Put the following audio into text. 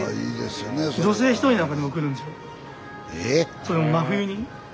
それも真冬に。